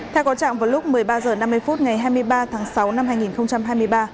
theo có trạng vào lúc một mươi ba h năm mươi phút ngày hai mươi ba tháng sáu năm hai nghìn hai mươi ba